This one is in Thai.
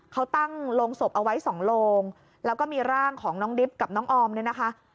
เขาตั้งโรงศพเอาไว้สองโลงแล้วก็มีร่างของน้องดิบกับน้องออมเนี่ยนะคะ